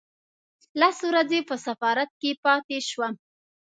لس ورځې په سفارت کې پاتې شوم.